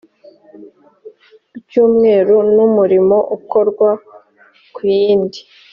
k icyumweru n umurimo ukorwa ku yindi